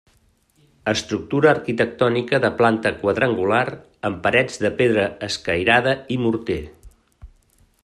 Estructura arquitectònica de planta quadrangular, amb parets de pedra escairada i morter.